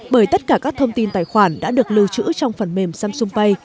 bởi tất cả các thông tin tài khoản đã được lưu trữ trong phần mềm samsung pay